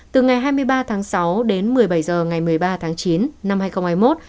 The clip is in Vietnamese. từ ngày hai mươi ba tháng sáu đến một mươi bảy h ngày một mươi ba tháng chín năm hai nghìn hai mươi một